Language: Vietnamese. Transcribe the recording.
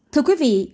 thưa quý vị